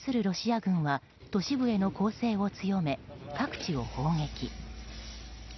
ロシア軍は都市部への攻勢を強め各地を砲撃。